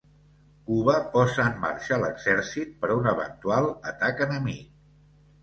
Cuba posa en marxa l'exèrcit per un eventual atac enemic